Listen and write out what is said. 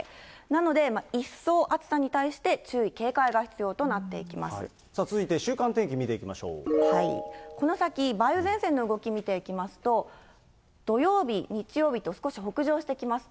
なので、一層暑さに対して注意、さあ続いて、週間天気見ていこの先、梅雨前線の動き見ていきますと、土曜日、日曜日と少し北上してきます。